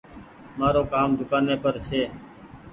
مآرو ڪآم دڪآن ني پر ڇي